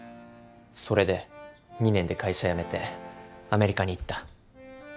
それで２年で会社辞めてアメリカに行った。